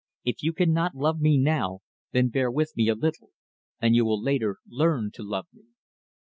If you cannot love me now, then bear with me a little, and you will later learn to love me."